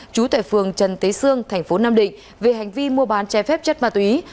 trú tại phường trần tế sương thành phố nam định về hành vi mua bán chai phép chất ma túy